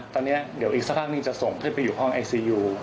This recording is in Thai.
ตอนนี้เดี๋ยวอีกสักพักหนึ่งจะส่งขึ้นไปอยู่ห้องไอซียู